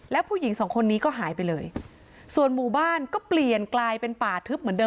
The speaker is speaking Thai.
แล้วผู้หญิงสองคนนี้ก็หายไปเลยส่วนหมู่บ้านก็เปลี่ยนกลายเป็นป่าทึบเหมือนเดิ